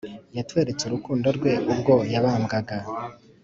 yatweretse urukundo rwe, ubwo yabambwaga